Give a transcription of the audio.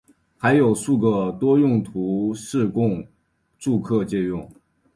还有数个多用途室供住客借用。